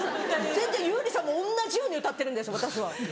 全然優里さんも同じように歌ってるんです私は。